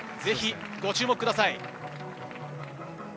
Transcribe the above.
ご注目ください。